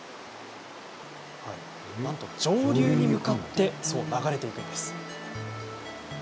なんと上流に向かって流れていきます。